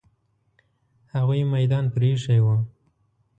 هغوی میدان پرې ایښی وو.